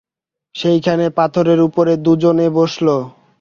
সেইখানে পাথরের উপরে দুজনে বসল।